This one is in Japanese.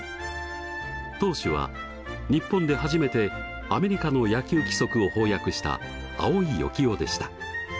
投手は日本で初めてアメリカの野球規則を邦訳した青井鉞男でした。